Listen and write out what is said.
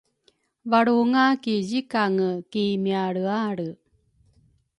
Valrunga ki zikange ki mialrealre